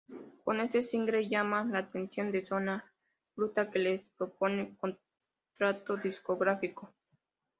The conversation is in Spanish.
Con este single llaman la atención de Zona Bruta, que les propone contrato discográfico.